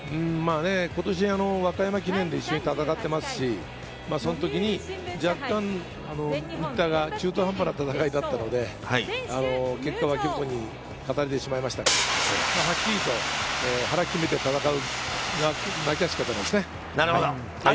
今年、和歌山記念で一緒に戦っていますし、その時に若干、新田が中途半端な戦いだったので、結果は残念になってしまいましたけど、腹を決めて戦うという感じですかね。